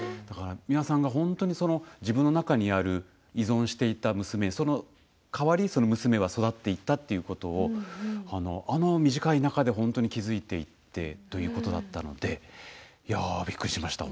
美輪さんが本当に自分の中にある依存していた娘その代わりに娘は育っていったということをあの短い中で本当に気付いていってということなのでびっくりしました、